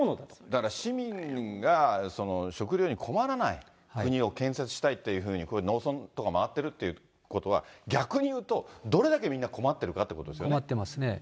だから市民が食料に困らない国を建設したいというふうにこれ、農村とか回ってるということは、逆に言うと、どれだけみんな困っ困ってますね。